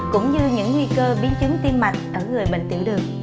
cũng như những nguy cơ biến chứng tim mạch ở người bệnh tiểu đường